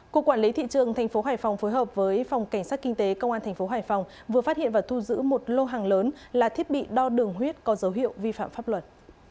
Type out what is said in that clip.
cục quản lý thị trường tp hải phòng phối hợp với phòng cảnh sát kinh tế công an tp hải phòng vừa phát hiện và thu giữ một lô hàng lớn là thiết bị đo đường huyết có dấu hiệu vi phạm pháp luật